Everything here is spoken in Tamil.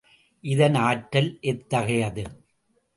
இதன் ஆற்றல் எத்தகையது?